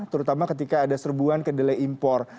terutama ketika ada serbuan kedelai impor